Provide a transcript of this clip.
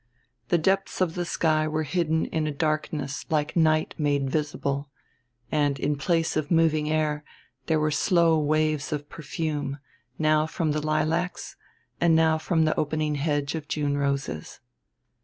The depths of sky were hidden in a darkness like night made visible; and, in place of moving air, there were slow waves of perfume, now from the lilacs and now from the opening hedge of June roses.